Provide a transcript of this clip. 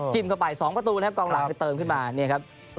จิ้มเข้าไป๒ประตูนะครับกองหลังจะเติมขึ้นมา